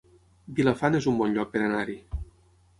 Vilafant es un bon lloc per anar-hi